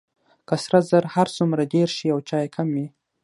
که سره زر هر څومره ډیر شي او چای کم وي.